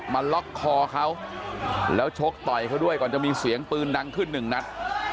มาล็อกคอเขาแล้วชกต่อยเขาด้วยก่อนจะมีเสียงปืนดังขึ้นหนึ่งนัด